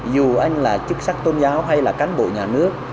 dù anh là chức sắc tôn giáo hay là cán bộ nhà nước